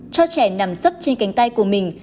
cho trẻ nằm sấp trên cánh tay của mình